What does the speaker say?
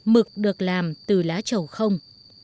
mực được làm từ lá chầu không